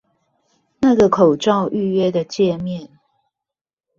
那個口罩預約的介面